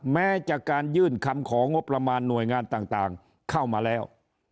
แม้จากการยื่นคำของงบประมาณหน่วยงานต่างเข้ามาแล้ว